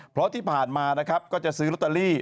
เพราะที่ผ่านมานะครับก็จะซื้อลอตเตอรี่